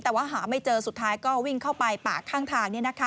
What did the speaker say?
แต่ว่าหาไม่เจอสุดท้ายก็วิ่งเข้าไปป่าข้างทาง